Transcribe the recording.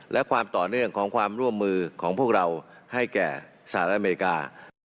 และความต่อเนื่องของความร่วมมือของพวกเราให้แก่สหรัฐอเมริกา